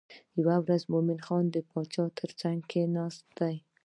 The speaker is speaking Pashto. یوه ورځ مومن خان د باچا تر څنګ ناست دی.